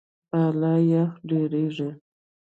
بالا یخ ډېریږي.